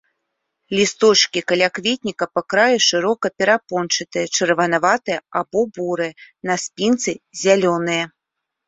Лісточкі калякветніка па краі шырока перапончатыя, чырванаватыя або бурыя, на спінцы зялёныя.